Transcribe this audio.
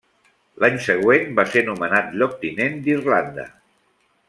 L'any següent va ser nomenat lloctinent d'Irlanda.